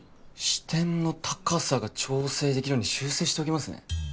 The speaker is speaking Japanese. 視点の高さが調整できるように修正しときますね